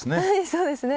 そうですね。